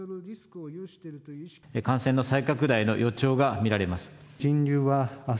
感染の再拡大の予兆が見られます。